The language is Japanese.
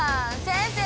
先生